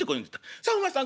『さあお前さん